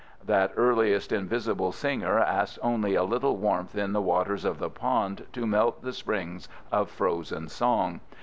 That earliest invisible singer asks only a little warmth in the waters of the pond to melt the springs of frozen song.